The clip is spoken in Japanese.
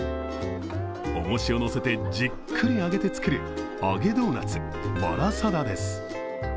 重しを載せてじっくり揚げて作る揚げドーナツ、マラサダです。